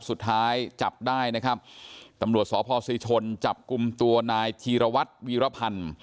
สุดท้ายจับได้นะครับตำรวจสพศรีชนจับกลุ่มตัวนายธีรวัตรวีรพันธ์